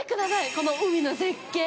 この海の絶景。